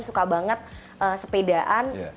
suka banget sepedaan